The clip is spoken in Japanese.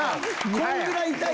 こんぐらい痛い。